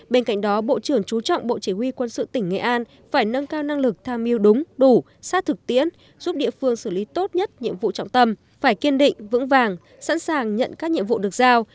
bên cạnh đó bộ trưởng chú trọng bộ chỉ huy quân sự tỉnh nghệ an phải nâng cao năng lực tham mưu đúng đủ sát thực tiễn giúp địa phương xử lý tốt nhất nhiệm vụ trọng tâm phải kiên định vững vàng sẵn sàng nhận các nhiệm vụ được giao